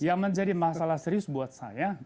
yang menjadi masalah serius buat saya